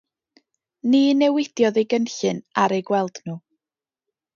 Ni newidiodd ei gynllun ar eu gweld nhw.